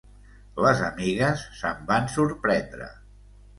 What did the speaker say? Les amigues se'n van sorprendre.